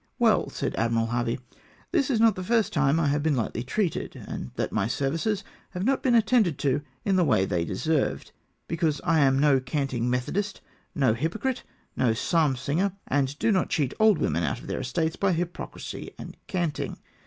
" Well," said Admiral Harvey, " this is not the first time I have been hghtly treated, and that my services have not been attended to in the way they deserved ; because I am no canting methodist, no hypocrite, no psalm singer, and do not cheat old women out of their estates by hypocrisy and cantuig